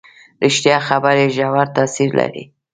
ریښتیا خبرې ژور تاثیر لري.